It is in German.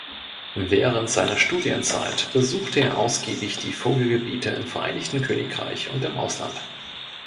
Während seiner Studienzeit besuchte er ausgiebig die Vogelgebiete im Vereinigten Königreich und im Ausland.